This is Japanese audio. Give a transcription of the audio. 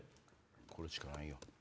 これしかないよ。